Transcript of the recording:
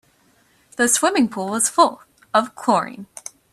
The swimming pool was full of chlorine.